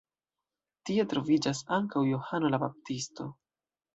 Tie troviĝas ankaŭ Johano la Baptisto.